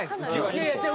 いやいや違う！